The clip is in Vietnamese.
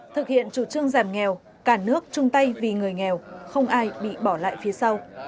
thực hiện chủ trương giảm nghèo cả nước chung tay vì người nghèo không ai bị bỏ lại phía sau